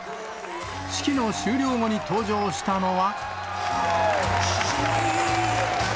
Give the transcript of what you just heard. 式の終了後に登場したのは。